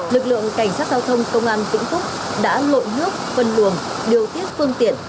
lực lượng cảnh sát giao thông công an tỉnh phúc đã lộn nước phân luồng điều tiết phương tiện